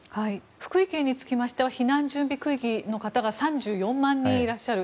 福井県につきましては避難準備区域の方が３４万人いらっしゃる。